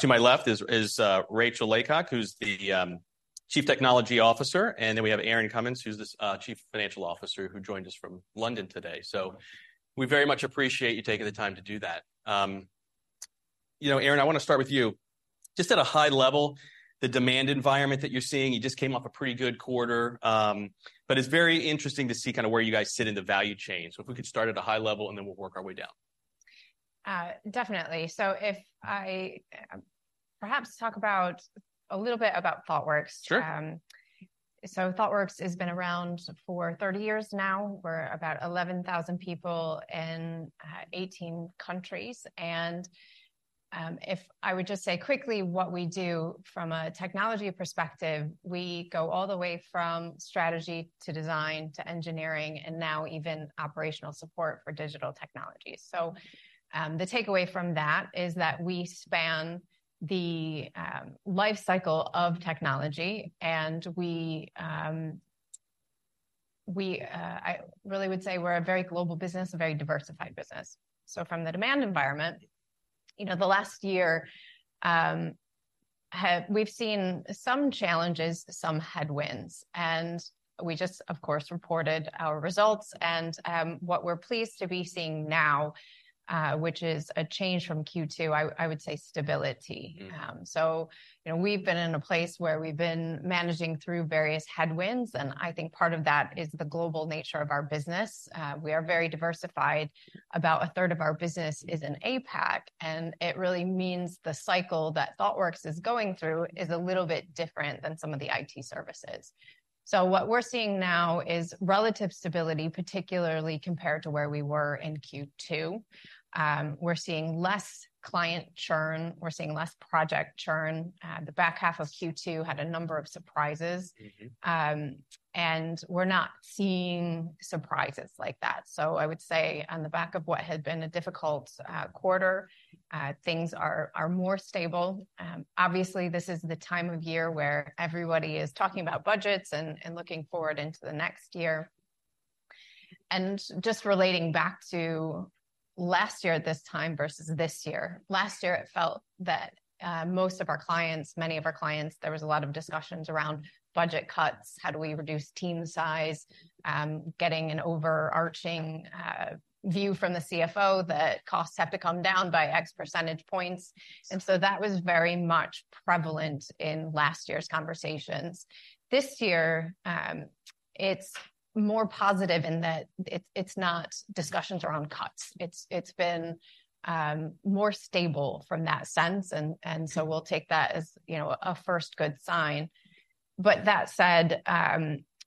To my left is Rachel Laycock, who's the Chief Technology Officer, and then we have Erin Cummins, who's the Chief Financial Officer, who joined us from London today. So we very much appreciate you taking the time to do that. You know, Erin, I want to start with you. Just at a high level, the demand environment that you're seeing, you just came off a pretty good quarter, but it's very interesting to see kind of where you guys sit in the value chain. So if we could start at a high level, and then we'll work our way down. Definitely. So if I perhaps talk about a little bit about Thoughtworks. Sure. So Thoughtworks has been around for 30 years now. We're about 11,000 people in 18 countries, and if I would just say quickly what we do from a technology perspective, we go all the way from strategy to design to engineering, and now even operational support for digital technologies. So the takeaway from that is that we span the life cycle of technology, and we we I really would say we're a very global business, a very diversified business. So from the demand environment, you know, the last year, we've seen some challenges, some headwinds, and we just, of course, reported our results. And what we're pleased to be seeing now, which is a change from Q2, I would say stability. Mm. So, you know, we've been in a place where we've been managing through various headwinds, and I think part of that is the global nature of our business. We are very diversified. About a third of our business is in APAC, and it really means the cycle that Thoughtworks is going through is a little bit different than some of the IT services. So what we're seeing now is relative stability, particularly compared to where we were in Q2. We're seeing less client churn. We're seeing less project churn. The back half of Q2 had a number of surprises. Mm-hmm. And we're not seeing surprises like that. So I would say on the back of what had been a difficult quarter, things are more stable. Obviously, this is the time of year where everybody is talking about budgets and looking forward into the next year. And just relating back to last year at this time versus this year, last year, it felt that most of our clients, many of our clients, there was a lot of discussions around budget cuts, how do we reduce team size, getting an overarching view from the CFO that costs have to come down by X percentage points. And so that was very much prevalent in last year's conversations. This year, it's more positive in that it's not discussions around cuts. It's been more stable from that sense, so we'll take that as, you know, a first good sign. But that said,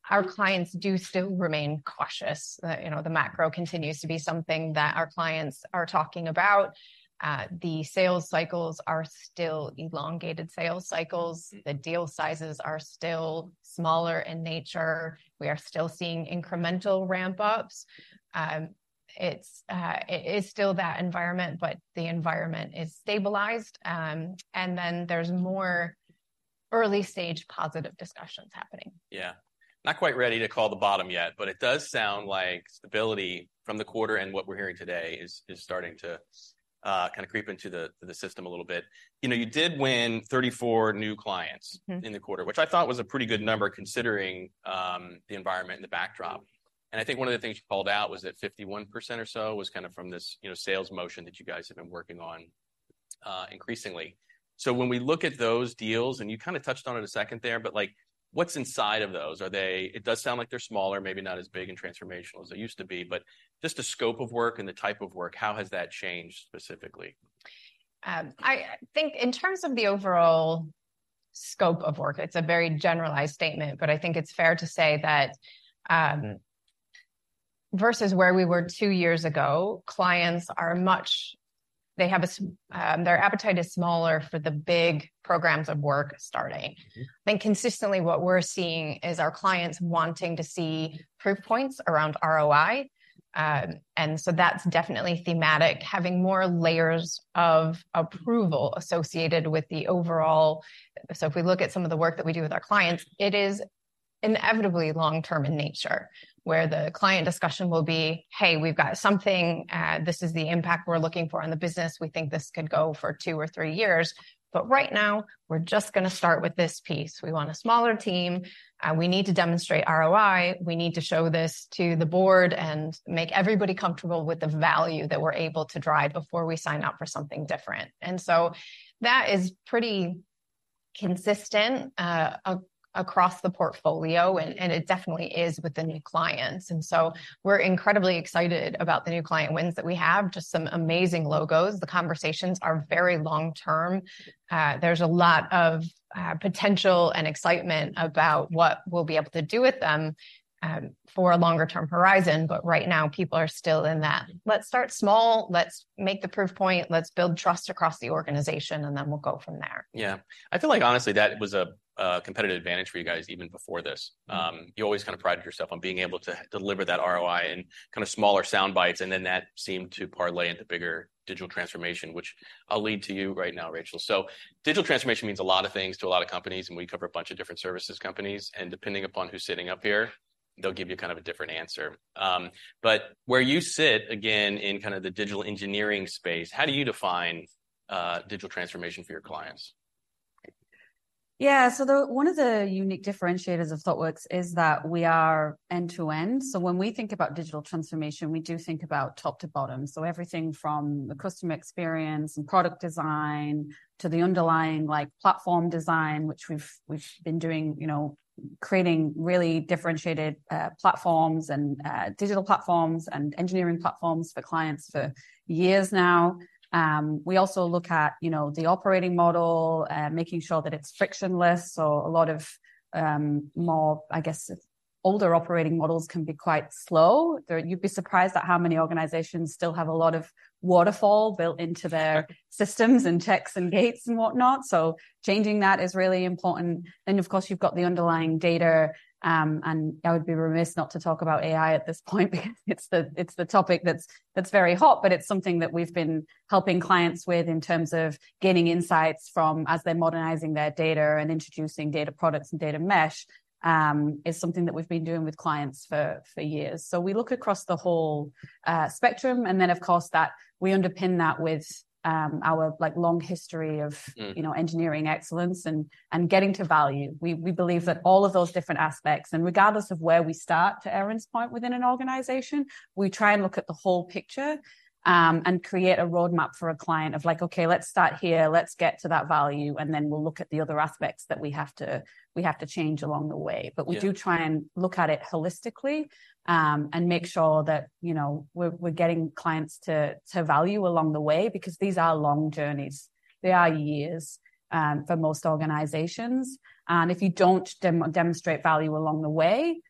our clients do still remain cautious. You know, the macro continues to be something that our clients are talking about. The sales cycles are still elongated sales cycles. The deal sizes are still smaller in nature. We are still seeing incremental ramp-ups. It is still that environment, but the environment is stabilized. And then there's more early-stage positive discussions happening. Yeah. Not quite ready to call the bottom yet, but it does sound like stability from the quarter, and what we're hearing today is starting to kind of creep into the system a little bit. You know, you did win 34 new clients- Mm-hmm. -in the quarter, which I thought was a pretty good number, considering, the environment and the backdrop. And I think one of the things you called out was that 51% or so was kind of from this, you know, sales motion that you guys have been working on, increasingly. So when we look at those deals, and you kind of touched on it a second there, but, like, what's inside of those? Are they... It does sound like they're smaller, maybe not as big and transformational as they used to be, but just the scope of work and the type of work, how has that changed specifically? I think in terms of the overall scope of work, it's a very generalized statement, but I think it's fair to say that, versus where we were two years ago, clients are much smaller. Their appetite is smaller for the big programs of work starting. Mm-hmm. I think consistently what we're seeing is our clients wanting to see proof points around ROI, and so that's definitely thematic, having more layers of approval associated with the overall—so if we look at some of the work that we do with our clients, it is inevitably long term in nature, where the client discussion will be, "Hey, we've got something. This is the impact we're looking for on the business. We think this could go for two or three years, but right now, we're just gonna start with this piece. We want a smaller team. We need to demonstrate ROI. We need to show this to the board and make everybody comfortable with the value that we're able to drive before we sign up for something different." And so that is pretty consistent across the portfolio, and it definitely is with the new clients, and so we're incredibly excited about the new client wins that we have, just some amazing logos. The conversations are very long-term. There's a lot of potential and excitement about what we'll be able to do with them for a longer-term horizon, but right now, people are still in that, "Let's start small, let's make the proof point, let's build trust across the organization, and then we'll go from there. Yeah. I feel like, honestly, that was a competitive advantage for you guys even before this. You always kind of prided yourself on being able to deliver that ROI in kind of smaller sound bites, and then that seemed to parlay into bigger digital transformation, which I'll lead to you right now, Rachel. So digital transformation means a lot of things to a lot of companies, and we cover a bunch of different services companies, and depending upon who's sitting up here they'll give you kind of a different answer. But where you sit, again, in kind of the digital engineering space, how do you define digital transformation for your clients? Yeah, so one of the unique differentiators of Thoughtworks is that we are end-to-end. So when we think about digital transformation, we do think about top to bottom. So everything from the customer experience and product design, to the underlying, like, platform design, which we've been doing, you know, creating really differentiated platforms and digital platforms and engineering platforms for clients for years now. We also look at, you know, the operating model making sure that it's frictionless. So a lot of more, I guess, older operating models can be quite slow. You'd be surprised at how many organizations still have a lot of Waterfall built into their systems, and checks, and gates, and whatnot, so changing that is really important. Then, of course, you've got the underlying data. And I would be remiss not to talk about AI at this point, because it's the topic that's very hot, but it's something that we've been helping clients with in terms of gaining insights from as they're modernizing their data and introducing data products and Data Mesh is something that we've been doing with clients for years. So we look across the whole spectrum, and then, of course, that we underpin that with our, like, long history of- Mm -you know, engineering excellence and, and getting to value. We, we believe that all of those different aspects, and regardless of where we start, to Erin's point, within an organization, we try and look at the whole picture, and create a roadmap for a client of like: "Okay, let's start here, let's get to that value, and then we'll look at the other aspects that we have to, we have to change along the way. Yeah. But we do try and look at it holistically, and make sure that, you know, we're getting clients to value along the way, because these are long journeys. They are years, for most organizations, and if you don't demonstrate value along the way,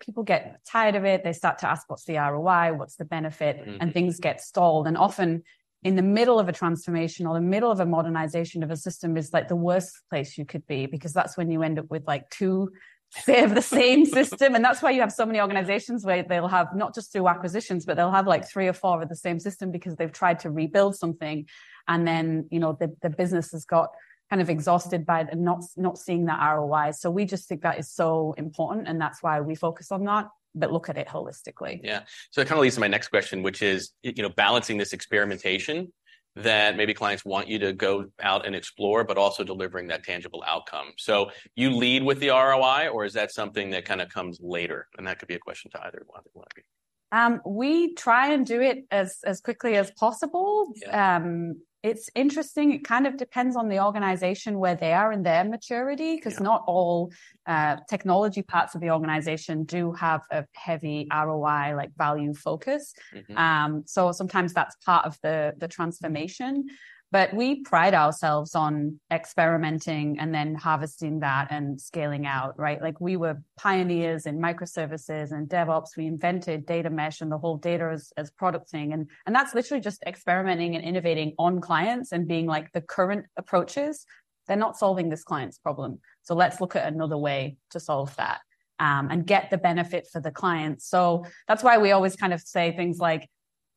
people get tired of it. They start to ask: "What's the ROI? What's the benefit? Mm-hmm. Things get stalled. Often, in the middle of a transformation or the middle of a modernization of a system is, like, the worst place you could be, because that's when you end up with, like, two of the same system. That's why you have so many organizations where they'll have... not just through acquisitions, but they'll have, like, three or four of the same system because they've tried to rebuild something, and then, you know, the business has got kind of exhausted by not seeing that ROI. We just think that is so important, and that's why we focus on that, but look at it holistically. Yeah. So that kind of leads to my next question, which is, you know, balancing this experimentation that maybe clients want you to go out and explore, but also delivering that tangible outcome. So you lead with the ROI, or is that something that kind of comes later? And that could be a question to either one of you. We try and do it as quickly as possible. Yeah. It's interesting. It kind of depends on the organization, where they are in their maturity 'cause not all technology parts of the organization do have a heavy ROI, like, value focus. Mm-hmm. So sometimes that's part of the transformation. But we pride ourselves on experimenting and then harvesting that and scaling out, right? Like, we were pioneers in microservices and DevOps. We invented Data Mesh and the whole data as product thing, and that's literally just experimenting and innovating on clients and being like, "The current approaches, they're not solving this client's problem, so let's look at another way to solve that, and get the benefit for the client." So that's why we always kind of say things like...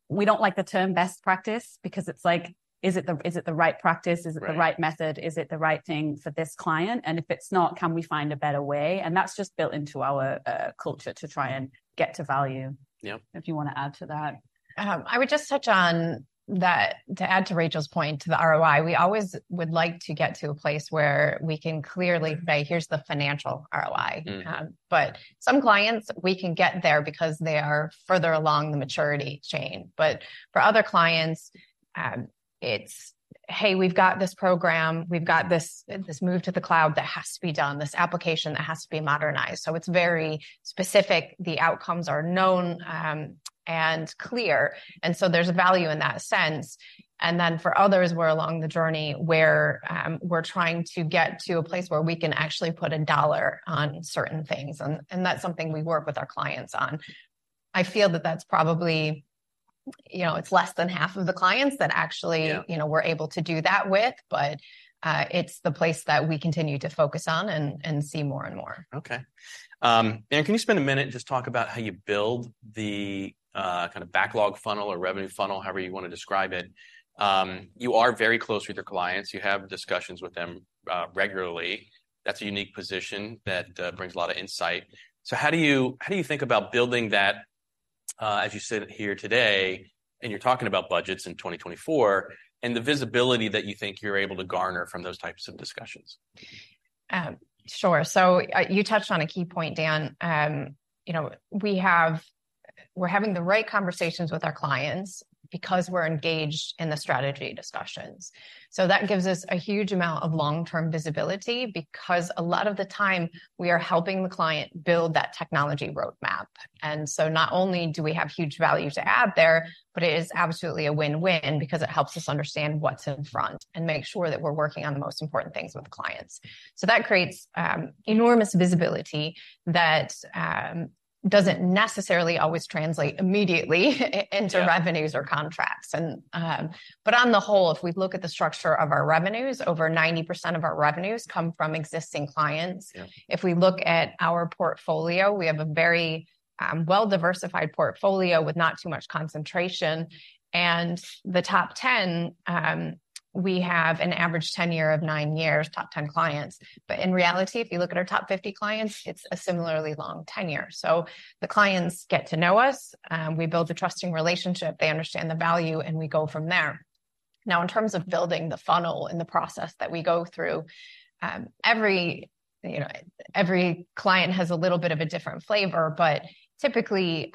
We don't like the term best practice because it's like, is it the right practice? Right. Is it the right method? Is it the right thing for this client? And if it's not, can we find a better way? And that's just built into our culture to try and get to value. Yeah. If you wanna add to that. I would just touch on that, to add to Rachel's point, to the ROI. We always would like to get to a place where we can clearly say, "Here's the financial ROI. Mm. But some clients, we can get there because they are further along the maturity chain. But for other clients, it's, "Hey, we've got this program, we've got this, this move to the cloud that has to be done, this application that has to be modernized." So it's very specific. The outcomes are known, and clear, and so there's a value in that sense. And then, for others, we're along the journey where, we're trying to get to a place where we can actually put a dollar on certain things, and, and that's something we work with our clients on. I feel that that's probably—you know, it's less than half of the clients that actually- Yeah -you know, we're able to do that with, but it's the place that we continue to focus on and see more and more. Okay. And can you spend a minute and just talk about how you build the kind of backlog funnel or revenue funnel, however you wanna describe it? You are very close with your clients. You have discussions with them regularly. That's a unique position that brings a lot of insight. So how do you, how do you think about building that as you sit here today and you're talking about budgets in 2024, and the visibility that you think you're able to garner from those types of discussions? Sure. So, you touched on a key point, Dan. You know, we're having the right conversations with our clients because we're engaged in the strategy discussions. So that gives us a huge amount of long-term visibility, because a lot of the time, we are helping the client build that technology roadmap. And so not only do we have huge value to add there, but it is absolutely a win-win because it helps us understand what's in front and make sure that we're working on the most important things with the clients. So that creates enormous visibility that doesn't necessarily always translate immediately into- Yeah -revenues or contracts. But on the whole, if we look at the structure of our revenues, over 90% of our revenues come from existing clients. Yeah. If we look at our portfolio, we have a very well-diversified portfolio with not too much concentration, and the top ten—we have an average tenure of 9 years, top 10 clients. But in reality, if you look at our top 50 clients, it's a similarly long tenure. So the clients get to know us, we build a trusting relationship, they understand the value, and we go from there. Now, in terms of building the funnel and the process that we go through, every, you know, every client has a little bit of a different flavor, but typically,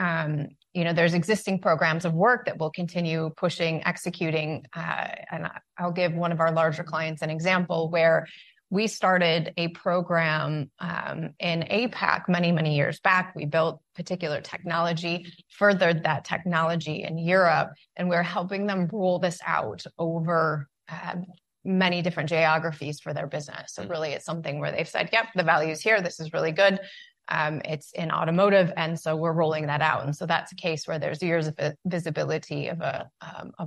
you know, there's existing programs of work that we'll continue pushing, executing. And I'll give one of our larger clients an example, where we started a program, in APAC many, many years back. We built particular technology, furthered that technology in Europe, and we're helping them roll this out over, many different geographies for their business. So really it's something where they've said: "Yep, the value's here. This is really good." It's in automotive, and so we're rolling that out. And so that's a case where there's years of visibility of a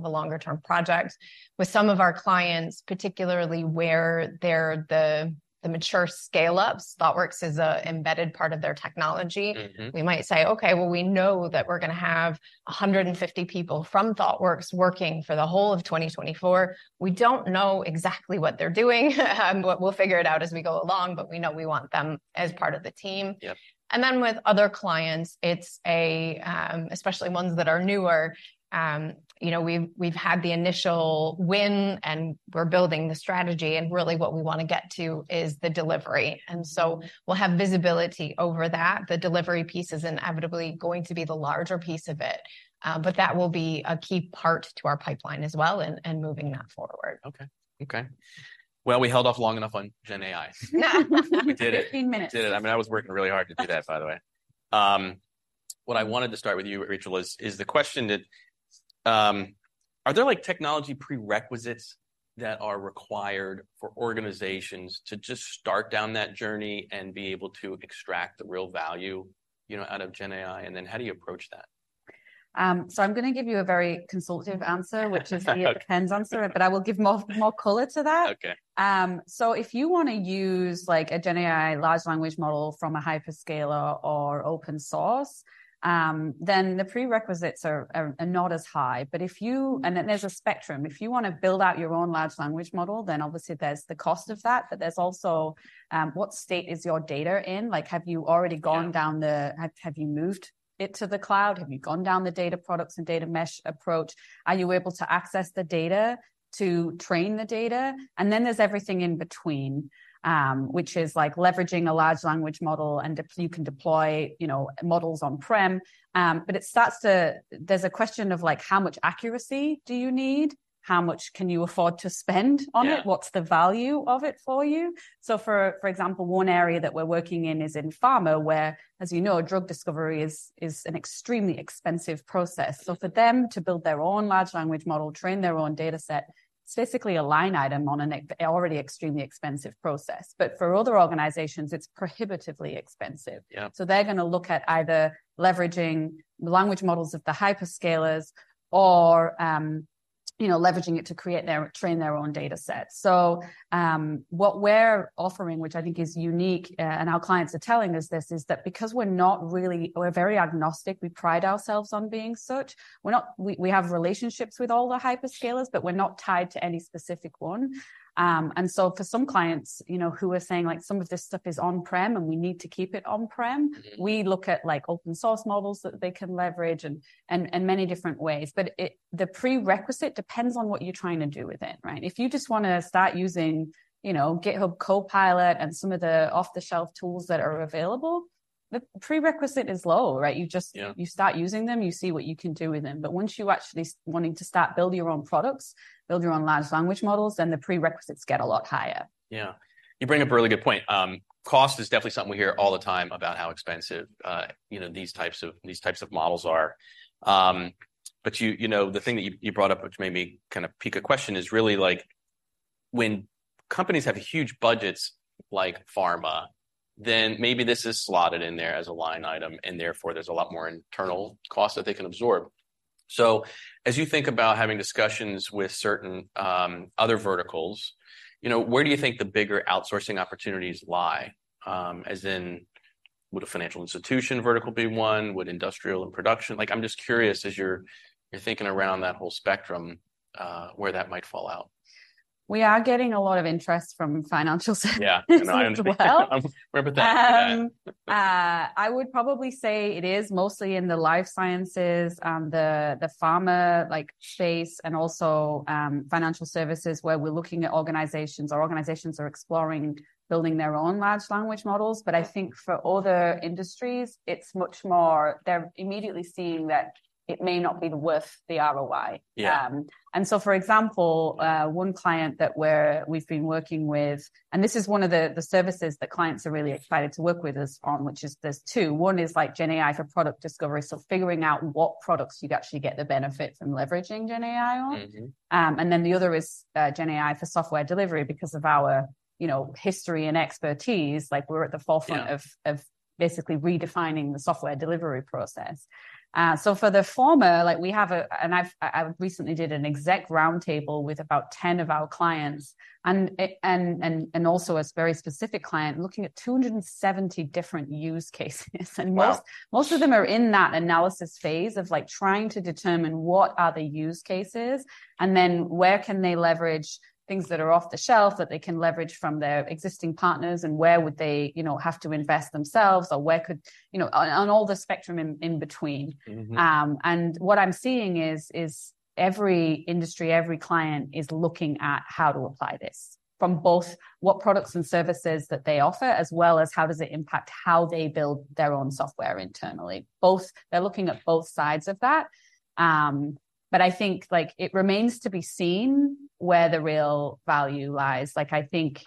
longer-term project. With some of our clients, particularly where they're the mature scale-ups, Thoughtworks is an embedded part of their technology. Mm-hmm. We might say, "Okay, well, we know that we're going to have 150 people from Thoughtworks working for the whole of 2024. We don't know exactly what they're doing, but we'll figure it out as we go along, but we know we want them as part of the team. Yep. And then with other clients, it's especially ones that are newer, you know, we've had the initial win, and we're building the strategy, and really what we want to get to is the delivery. And so we'll have visibility over that. The delivery piece is inevitably going to be the larger piece of it. But that will be a key part to our pipeline as well, and moving that forward. Okay. Okay. Well, we held off long enough on GenAI. Yeah. We did it. Fifteen minutes. Did it. I mean, I was working really hard to do that, by the way. What I wanted to start with you, Rachel, is the question that... Are there, like, technology prerequisites that are required for organizations to just start down that journey and be able to extract the real value, you know, out of GenAI? And then how do you approach that? So, I'm going to give you a very consultative answer, which is the "it depends" answer, but I will give more color to that. Okay. So if you want to use, like, a GenAI large language model from a hyperscaler or open source, then the prerequisites are not as high. But if you... And then there's a spectrum. If you want to build out your own large language model, then obviously there's the cost of that, but there's also, what state is your data in? Like, have you already gone down the- Yeah -have you moved it to the cloud? Have you gone down the data products and Data Mesh approach? Are you able to access the data to train the data? And then there's everything in between, which is like leveraging a large language model, and you can deploy, you know, models on-prem. But it starts to. There's a question of, like, how much accuracy do you need? How much can you afford to spend on it? Yeah. What's the value of it for you? So for example, one area that we're working in is in pharma, where, as you know, drug discovery is an extremely expensive process. So for them to build their own large language model, train their own data set, it's basically a line item on an already extremely expensive process. But for other organizations, it's prohibitively expensive. Yeah. So they're going to look at either leveraging the language models of the hyperscalers or, you know, leveraging it to create their, train their own data set. So, what we're offering, which I think is unique, and our clients are telling us this, is that because we're very agnostic, we pride ourselves on being such, we, we have relationships with all the hyperscalers, but we're not tied to any specific one. And so for some clients, you know, who are saying, like: "Some of this stuff is on-prem, and we need to keep it on-prem. Mm-hmm. We look at, like, open-source models that they can leverage and in many different ways. But it, the prerequisite depends on what you're trying to do with it, right? If you just want to start using, you know, GitHub Copilot and some of the off-the-shelf tools that are available, the prerequisite is low, right? Yeah. You just start using them, you see what you can do with them. But once you're actually wanting to start building your own products, build your own large language models, then the prerequisites get a lot higher. Yeah. You bring up a really good point. Cost is definitely something we hear all the time about how expensive, you know, these types of models are. But you know, the thing that you brought up, which made me kind of pique a question, is really, like, when companies have huge budgets like pharma, then maybe this is slotted in there as a line item, and therefore there's a lot more internal cost that they can absorb. So as you think about having discussions with certain other verticals, you know, where do you think the bigger outsourcing opportunities lie? As in, would a financial institution vertical be one? Would industrial and production... Like, I'm just curious, as you're thinking around that whole spectrum, where that might fall out. We are getting a lot of interest from financial services as well. Yeah, and I understand. We're with that. Yeah. I would probably say it is mostly in the life sciences, the pharma, like, space, and also, financial services, where we're looking at organizations, or organizations are exploring building their own large language models. Yeah. But I think for other industries, it's much more, they're immediately seeing that it may not be worth the ROI. Yeah. And so for example, one client that we've been working with, and this is one of the services that clients are really excited to work with us on, which is there's two. One is, like, GenAI for product discovery, so figuring out what products you'd actually get the benefit from leveraging GenAI on. Mm-hmm. And then the other is, GenAI for software delivery, because of our, you know, history and expertise. Like, we're at the forefront- Yeah -of basically redefining the software delivery process. So for the former, like, we have a—and I've recently did an exec roundtable with about 10 of our clients, and it and also a very specific client, looking at 270 different use cases. Wow! Most of them are in that analysis phase of, like, trying to determine what are the use cases, and then where can they leverage things that are off the shelf, that they can leverage from their existing partners, and where would they, you know, have to invest themselves, or where could, you know, on all the spectrum in between. Mm-hmm. And what I'm seeing is every industry, every client is looking at how to apply this, from both what products and services that they offer, as well as how does it impact how they build their own software internally. Both. They're looking at both sides of that. But I think, like, it remains to be seen where the real value lies. Like, I think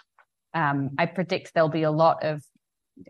I predict there'll be a lot of,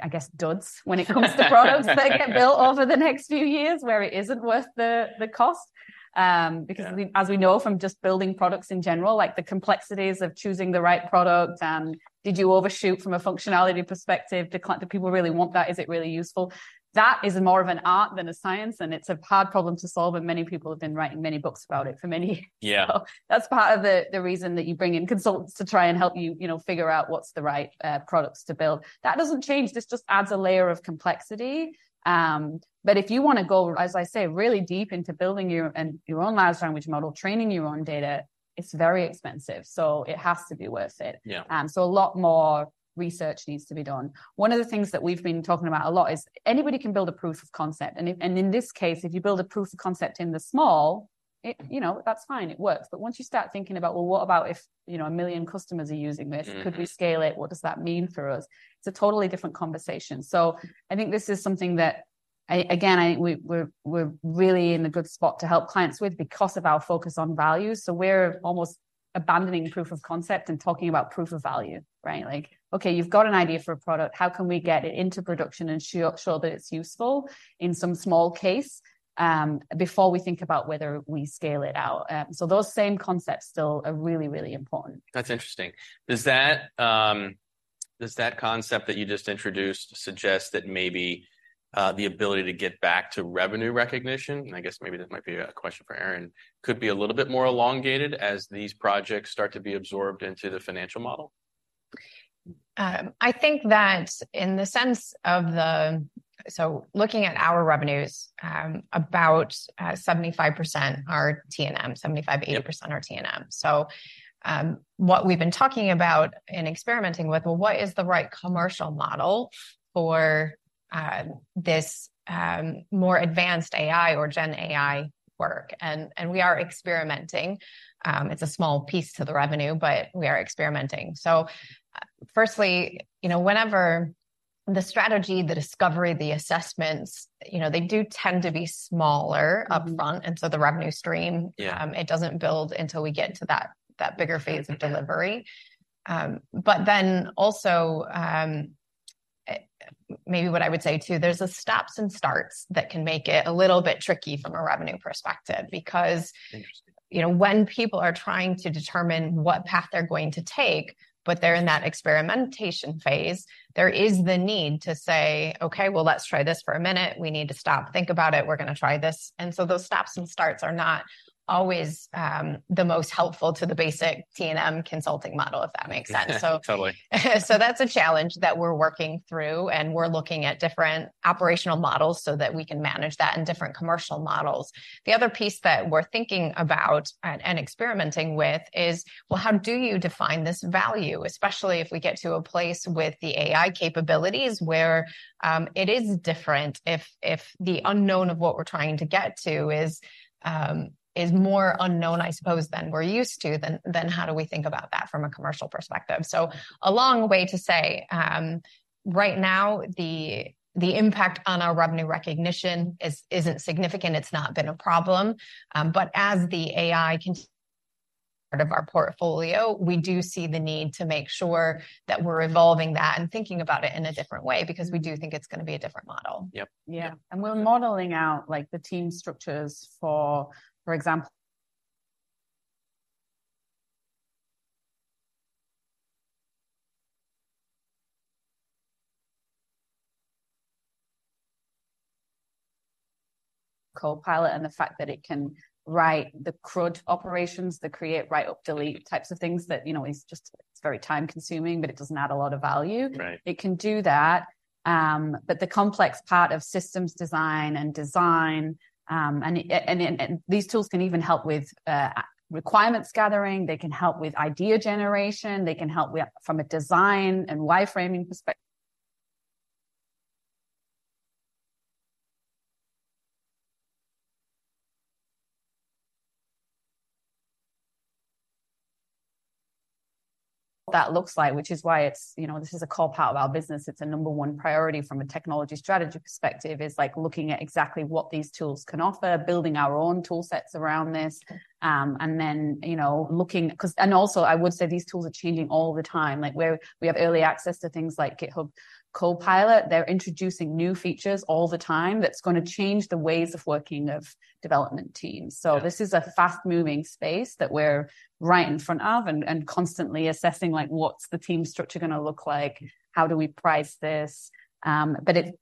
I guess, duds when it comes to products that get built over the next few years, where it isn't worth the cost. Because- Yeah -as we know from just building products in general, like the complexities of choosing the right product, and did you overshoot from a functionality perspective? Do people really want that? Is it really useful? That is more of an art than a science, and it's a hard problem to solve, and many people have been writing many books about it for many years. Yeah. That's part of the reason that you bring in consultants to try and help you, you know, figure out what's the right products to build. That doesn't change. This just adds a layer of complexity. But if you wanna go, as I say, really deep into building your own large language model, training your own data, it's very expensive, so it has to be worth it. Yeah. So a lot more research needs to be done. One of the things that we've been talking about a lot is, anybody can build a proof of concept, and if... and in this case, if you build a proof of concept in the small, it, you know, that's fine, it works. But once you start thinking about, well, what about if, you know, 1 million customers are using this? Mm. Could we scale it? What does that mean for us? It's a totally different conversation. So I think this is something that, again, I think we're really in a good spot to help clients with because of our focus on value. So we're almost abandoning proof of concept and talking about proof of value, right? Like, okay, you've got an idea for a product, how can we get it into production and show that it's useful in some small case before we think about whether we scale it out? So those same concepts still are really, really important. That's interesting. Does that concept that you just introduced suggest that maybe the ability to get back to revenue recognition, and I guess maybe this might be a question for Erin, could be a little bit more elongated as these projects start to be absorbed into the financial model? I think that in the sense of so looking at our revenues, about 75% are T&M, 75-80% are T&M. Yeah. So, what we've been talking about and experimenting with, well, what is the right commercial model for, this, more advanced AI or GenAI work? And we are experimenting. It's a small piece to the revenue, but we are experimenting. So firstly, you know, whenever the strategy, the discovery, the assessments, you know, they do tend to be smaller upfront- Mm-hmm. -and so the revenue stream Yeah -it doesn't build until we get to that bigger phase of delivery. Mm. But then also, maybe what I would say, too, there's a stops and starts that can make it a little bit tricky from a revenue perspective, because- Interesting -you know, when people are trying to determine what path they're going to take, but they're in that experimentation phase, there is the need to say: "Okay, well, let's try this for a minute. We need to stop, think about it. We're gonna try this." And so those stops and starts are not always the most helpful to the basic T&M consulting model, if that makes sense. Totally. So that's a challenge that we're working through, and we're looking at different operational models so that we can manage that in different commercial models. The other piece that we're thinking about and experimenting with is, well, how do you define this value? Especially if we get to a place with the AI capabilities, where it is different if the unknown of what we're trying to get to is more unknown, I suppose, than we're used to, then how do we think about that from a commercial perspective? So a long way to say, right now, the impact on our revenue recognition isn't significant. It's not been a problem. But as the AI part of our portfolio, we do see the need to make sure that we're evolving that and thinking about it in a different way, because we do think it's gonna be a different model. Yep. Yeah. Yeah. We're modeling out, like, the team structures for, for example, Copilot, and the fact that it can write the CRUD operations, the create, read, update, delete types of things that, you know, is just—it's very time consuming, but it doesn't add a lot of value. Right. It can do that. But the complex part of systems design and design, and these tools can even help with requirements gathering, they can help with idea generation, they can help with—from a design and wireframing perspective... what that looks like, which is why it's, you know, this is a core part of our business. It's a number one priority from a technology strategy perspective, is like, looking at exactly what these tools can offer, building our own toolsets around this, and then, you know, looking—'cause, and also, I would say these tools are changing all the time. Like, we have early access to things like GitHub Copilot. They're introducing new features all the time that's gonna change the ways of working of development teams. Yeah. So this is a fast-moving space that we're right in front of, and constantly assessing, like, what's the team structure gonna look like? How do we price this? But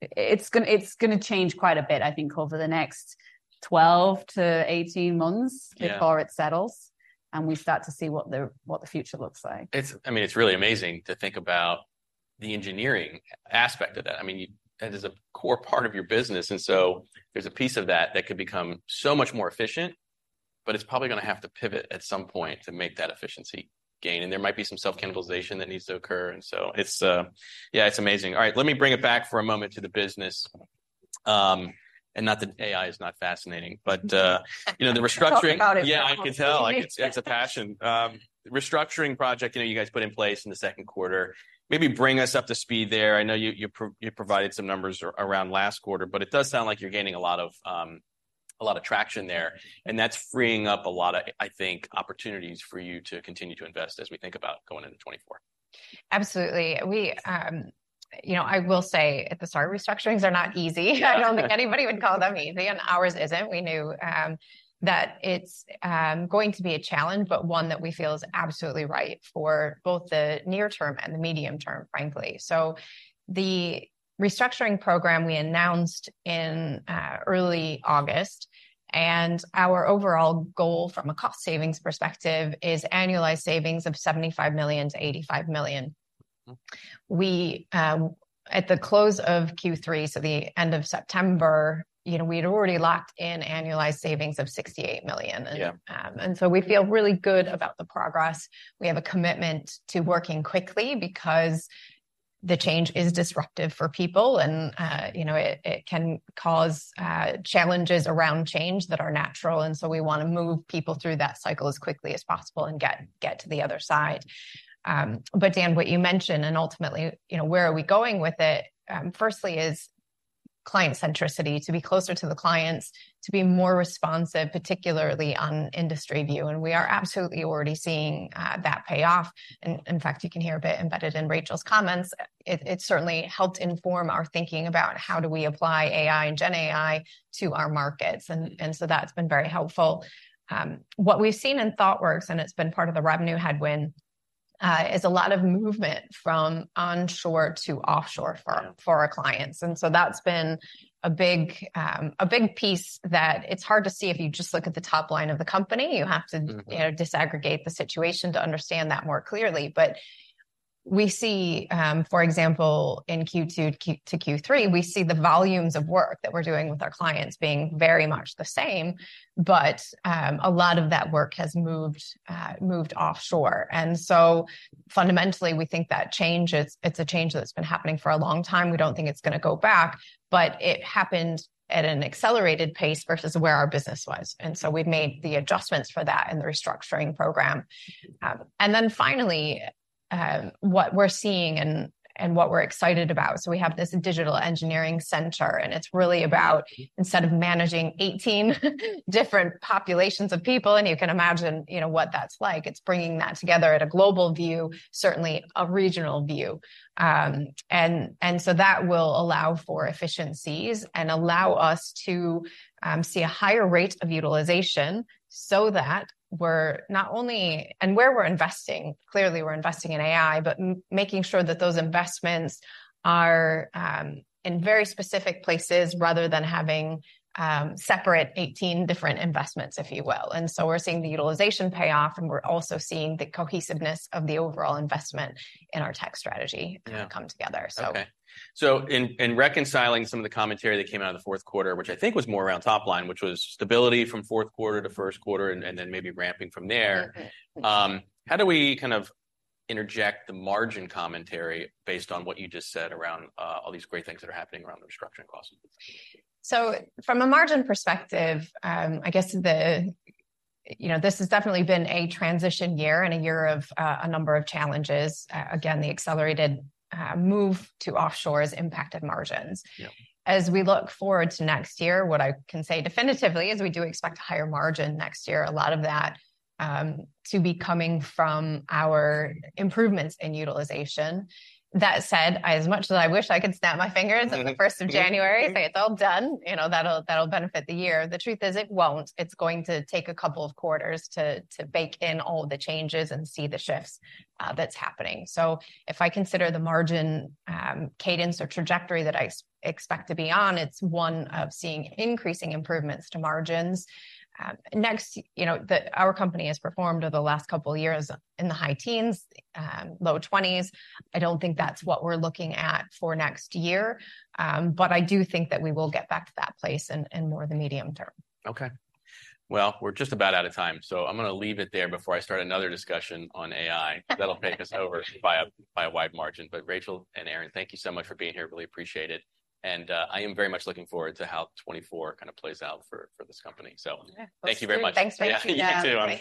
it's gonna change quite a bit, I think, over the next 12-18 months- Yeah -before it settles, and we start to see what the future looks like. I mean, it's really amazing to think about the engineering aspect of that. I mean, that is a core part of your business, and so there's a piece of that that could become so much more efficient, but it's probably gonna have to pivot at some point to make that efficiency gain. And there might be some self-cannibalization that needs to occur, and so it's, yeah, it's amazing. All right, let me bring it back for a moment to the business. Not that AI is not fascinating, but, you know, the restructuring. We can talk about it. Yeah, I can tell, like, it's a passion. Restructuring project, you know, you guys put in place in the second quarter, maybe bring us up to speed there. I know you provided some numbers around last quarter, but it does sound like you're gaining a lot of traction there, and that's freeing up a lot of, I think, opportunities for you to continue to invest as we think about going into 2024. Absolutely. We, you know, I will say at the start, restructurings are not easy. I don't think anybody would call them easy, and ours isn't. We knew that it's going to be a challenge, but one that we feel is absolutely right for both the near term and the medium term, frankly. So the restructuring program we announced in early August, and our overall goal from a cost savings perspective is annualized savings of $75 million-$85 million. Mm. We at the close of Q3, so the end of September, you know, we had already locked in annualized savings of $68 million. Yeah. And so we feel really good about the progress. We have a commitment to working quickly because the change is disruptive for people, and, you know, it can cause challenges around change that are natural, and so we wanna move people through that cycle as quickly as possible and get to the other side. But Dan, what you mentioned, and ultimately, you know, where are we going with it? Firstly is client centricity, to be closer to the clients, to be more responsive, particularly on industry view, and we are absolutely already seeing that pay off. In fact, you can hear a bit embedded in Rachel's comments, it certainly helped inform our thinking about how do we apply AI and GenAI to our markets, and so that's been very helpful. What we've seen in Thoughtworks, and it's been part of the revenue headwind, is a lot of movement from onshore to offshore firm for our clients, and so that's been a big, a big piece that it's hard to see if you just look at the top line of the company. Mm. You have to, you know, disaggregate the situation to understand that more clearly. But we see, for example, in Q2 to Q3, we see the volumes of work that we're doing with our clients being very much the same, but, a lot of that work has moved offshore. And so fundamentally, we think that change, it's a change that's been happening for a long time. We don't think it's gonna go back, but it happened at an accelerated pace versus where our business was, and so we've made the adjustments for that in the restructuring program. And then finally, what we're seeing and, and what we're excited about, so we have this Digital Engineering Center, and it's really about instead of managing 18 different populations of people, and you can imagine, you know, what that's like, it's bringing that together at a global view, certainly a regional view. And, and so that will allow for efficiencies and allow us to, see a higher rate of utilization, so that we're not only... And where we're investing, clearly, we're investing in AI, but making sure that those investments are, in very specific places, rather than having, separate 18 different investments, if you will. And so we're seeing the utilization pay off, and we're also seeing the cohesiveness of the overall investment in our tech strategy- Yeah -come together, so. Okay. So in reconciling some of the commentary that came out of the fourth quarter, which I think was more around top line, which was stability from fourth quarter to first quarter, and then maybe ramping from there- Mm. How do we kind of interject the margin commentary based on what you just said around all these great things that are happening around the restructuring costs? So from a margin perspective, I guess, you know, this has definitely been a transition year and a year of a number of challenges. Again, the accelerated move to offshore has impacted margins. Yeah. As we look forward to next year, what I can say definitively is we do expect a higher margin next year. A lot of that to be coming from our improvements in utilization. That said, as much as I wish I could snap my fingers on the 1st of January, say, "It's all done," you know, that'll benefit the year, the truth is, it won't. It's going to take a couple of quarters to bake in all the changes and see the shifts that's happening. So if I consider the margin cadence or trajectory that I expect to be on, it's one of seeing increasing improvements to margins. Next, you know, then our company has performed over the last couple of years in the high teens, low twenties. I don't think that's what we're looking at for next year, but I do think that we will get back to that place in the medium term. Okay. Well, we're just about out of time, so I'm gonna leave it there before I start another discussion on AI, that'll take us over by a wide margin. But Rachel and Erin, thank you so much for being here. Really appreciate it, and I am very much looking forward to how 2024 kind of plays out for this company, so- Yeah. Thank you very much. Thanks, Dan. Thanks. You too. I'm-